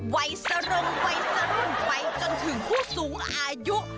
ไวสรงไปจนถึงผู้สูงอายุ